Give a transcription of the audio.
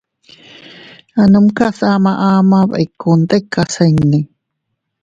A numkas ama ama bikku tikas iinni.